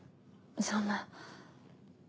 そんな。